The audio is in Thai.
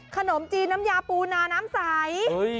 ขนมจีนน้ำยาปูนาน้ำใส